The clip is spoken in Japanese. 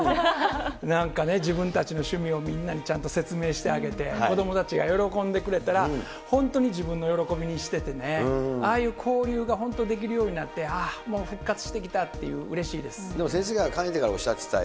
なんかね、自分たちの趣味をみんなにちゃんと説明してあげて、子どもたちが喜んでくれたら、本当に自分の喜びにしててね、ああいう交流が本当できるようになって、ああ、復活してきたって、でも先生がかねてからおっしゃってた、